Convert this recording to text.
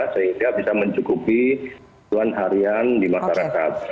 sehingga bisa mencukupi kebutuhan harian di masyarakat